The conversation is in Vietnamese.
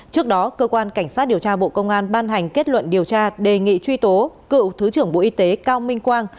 trước đó cơ quan cảnh sát điều tra bộ công an ban hành kết luận điều tra đề nghị truy tố cựu thứ trưởng bộ y tế cao minh quang